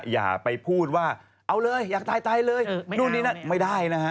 อย่าไปพูดว่าเอาเลยอยากตายเลยนู่นนี่นั่นไม่ได้นะฮะ